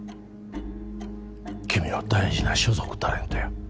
君の大事な所属タレントや